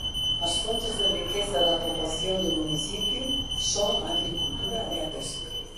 As fontes de riqueza da poboación do municipio son a agricultura e a pesca.